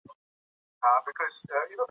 ، د خپل فعال او اغېزمن حضور له لارې،